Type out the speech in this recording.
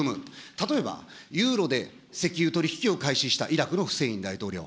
例えばユーロで石油取り引きを開始したイラクのフセイン大統領。